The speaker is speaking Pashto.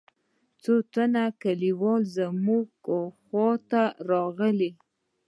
څو تنه کليوال زموږ خوا ته راغلل.